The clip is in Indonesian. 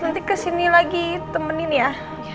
nanti kesini lagi temenin ya